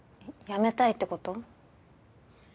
辞めたいってこと？